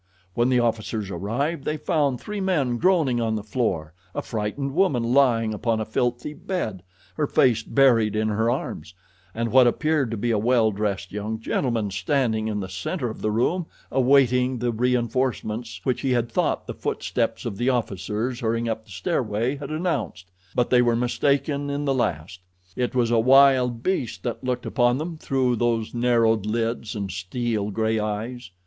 When the officers arrived they found three men groaning on the floor, a frightened woman lying upon a filthy bed, her face buried in her arms, and what appeared to be a well dressed young gentleman standing in the center of the room awaiting the reenforcements which he had thought the footsteps of the officers hurrying up the stairway had announced—but they were mistaken in the last; it was a wild beast that looked upon them through those narrowed lids and steel gray eyes.